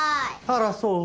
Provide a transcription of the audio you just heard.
あらそう？